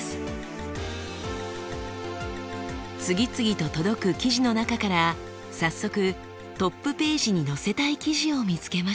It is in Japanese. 次々と届く記事の中から早速トップページに載せたい記事を見つけました。